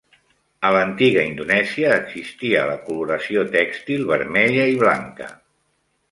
A l'antiga Indonèsia existia la coloració tèxtil vermella i blanca.